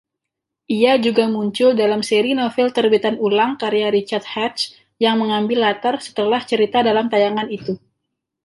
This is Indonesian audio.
Ia juga muncul dalam seri novel terbitan ulang karya Richard Hatch yang mengambil latar setelah cerita dalam tayangan itu.